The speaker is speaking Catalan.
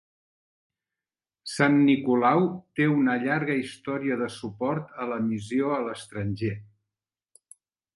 Sant Nicolau té una llarga història de suport a la missió a l'estranger.